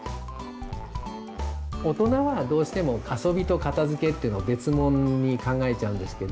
大人はどうしても遊びと片づけっていうのは別もんに考えちゃうんですけど。